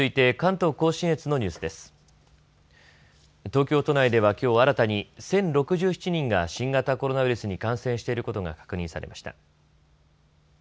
東京都内ではきょう新たに１０６７人が新型コロナウイルスに感染していることが確認されました。